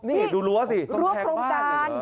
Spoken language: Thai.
นี่ดูรั้วสิต้นแทงบ้าน